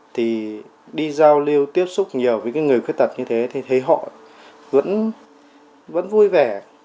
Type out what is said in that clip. thì đi giao lưu tiếp xúc nhiều với người khuyết tật như thế thì thấy họ vẫn vui vẻ